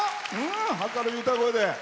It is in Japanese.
明るい歌声で。